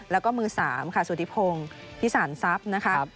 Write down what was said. แล้วก็มือ๓ค่ะสุธิพงศ์พิสารทรัพย์นะคะ